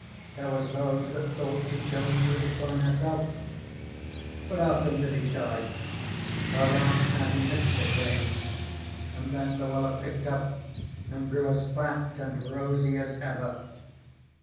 There was those that thought she'd go into a decline herself. But after Lily died, her Aunt Abby Mixter came, and then Luella picked up and grew as fat and rosy as ever.